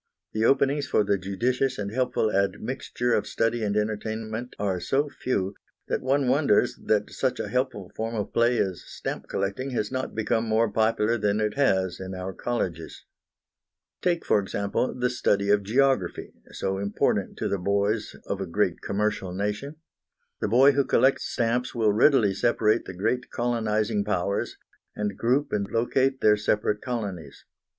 The openings for the judicious and helpful admixture of study and entertainment are so few, that one wonders that such a helpful form of play as stamp collecting has not become more popular than it has in our colleges. Take, for example, the study of geography, so important to the boys of a great commercial nation. The boy who collects stamps will readily separate the great colonising powers, and group and locate their separate colonies.